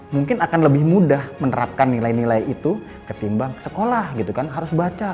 mungkin akan lebih mudah menerapkan nilai nilai itu ketimbang sekolah gitu kan harus baca